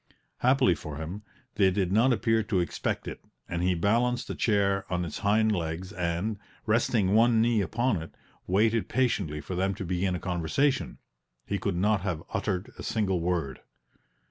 Happily for him, they did not appear to expect it and he balanced a chair on its hind legs and, resting one knee upon it, waited patiently for them to begin a conversation; he could not have uttered a single word.